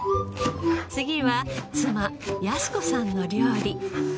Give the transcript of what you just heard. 次は妻康子さんの料理。